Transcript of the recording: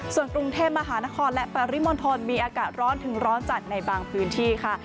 ส่วนกรุงเทพมหานครและปริมณฑลมีอากาศร้อนถึงร้อนจัดในบางพื้นที่ค่ะ